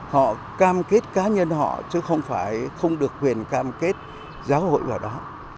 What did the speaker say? họ cam kết cá nhân họ chứ không phải không được quyền cam kết giáo hội vào đó